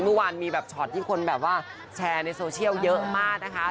เมื่อวานมีแบบช็อตที่คนแบบว่าแชร์ในโซเชียลเยอะมากนะคะ